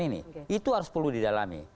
ini itu harus perlu didalami